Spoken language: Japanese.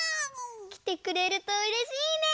きてくれるとうれしいね！